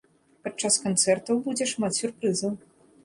Падчас канцэртаў будзе шмат сюрпрызаў.